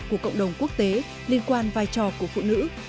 của cộng đồng quốc tế liên quan vai trò của phụ nữ